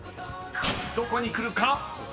［どこに来るか⁉］